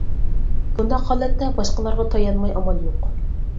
بۇنداق ھالەتتە باشقىلارغا تايانماي ئامال يوق.